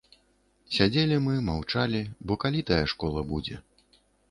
Сядзелі мы, маўчалі, бо калі тая школа будзе.